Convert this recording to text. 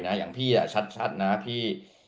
อย่างพี่ชัดนะพี่